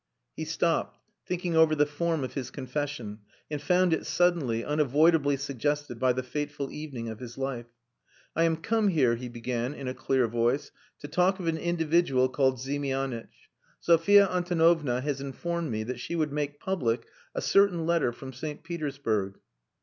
He stopped, thinking over the form of his confession, and found it suddenly, unavoidably suggested by the fateful evening of his life. "I am come here," he began, in a clear voice, "to talk of an individual called Ziemianitch. Sophia Antonovna has informed me that she would make public a certain letter from St. Petersburg...."